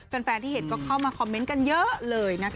แฟนที่เห็นก็เข้ามาคอมเมนต์กันเยอะเลยนะคะ